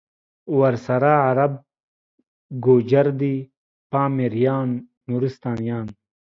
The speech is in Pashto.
ورسره عرب، گوجر دی پامیریان، نورستانیان